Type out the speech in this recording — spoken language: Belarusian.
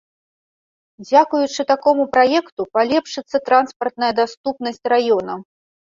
Дзякуючы такому праекту палепшыцца транспартная даступнасць раёна.